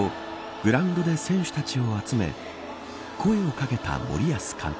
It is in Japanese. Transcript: グラウンドで選手たちを集め声を掛けた森保監督。